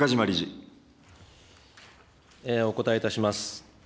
お答えいたします。